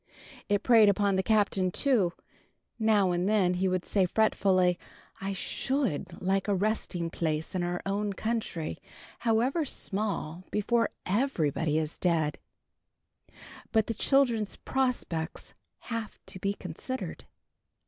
It preyed upon the Captain too. Now and then he would say, fretfully, "I should like a resting place in our own country, however small, before _every_body is dead! But the children's prospects have to be considered."